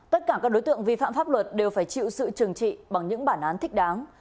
tất cả các đối tượng vi phạm pháp luật đều phải chịu sự trừng trị bằng những bản án thích đáng